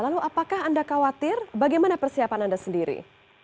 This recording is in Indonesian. lalu apakah anda khawatir bagaimana persiapan anda sendiri